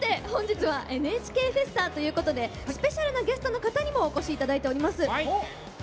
本日は「ＮＨＫフェスタ」ということでスペシャルなゲストの方にもお越しいただいております。